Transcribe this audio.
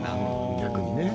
逆にね。